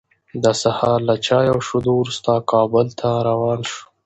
د سهار له چای او شیدو وروسته، کابل ته روان شوو.